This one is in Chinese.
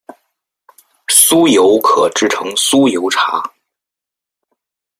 酥油可制成酥油茶。